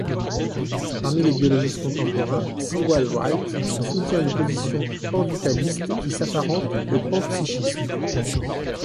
Parmi les biologistes contemporains, Sewall Wright soutient une position panvitaliste qui s'apparente au panpsychisme.